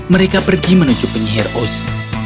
mereka pergi menuju penyihir oz